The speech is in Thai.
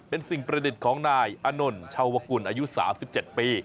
เป็นสิ่งประดิษฐ์ของนายอานนท์ชาวกุลอายุ๓๗ปี